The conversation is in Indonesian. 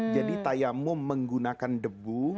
jadi tayamum menggunakan debu